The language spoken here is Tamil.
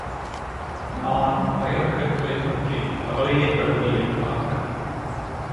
நான் வைரக்கற்களைப் பற்றி கவலையேபடவில்லை டாக்டர்.